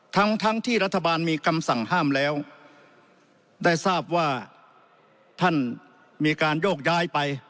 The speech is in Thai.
ทั้งทั้งที่รัฐบาลมีคำสั่งห้ามแล้วได้ทราบว่าท่านมีการโยกย้ายไป